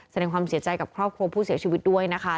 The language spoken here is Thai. แสดงความเสียใจกับครอบครัวผู้เสียชีวิตด้วยนะคะ